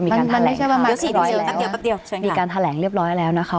มีการแถลงค่ะมีการแถลงเรียบร้อยแล้วนะคะ